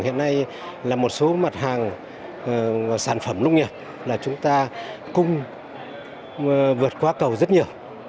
hiện nay là một số mặt hàng sản phẩm nông nghiệp là chúng ta cung vượt quá cầu rất nhiều